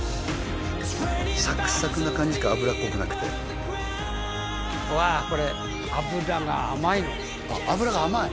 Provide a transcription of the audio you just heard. サクサクな感じか油っこくなくてわあこれ脂が甘いの脂が甘い？